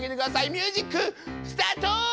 ミュージックスタート！